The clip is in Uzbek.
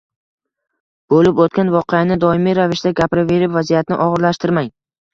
Bo‘lib o‘tgan voqeani doimiy ravishda gapiraverib vaziyatni og‘irlashtirmang.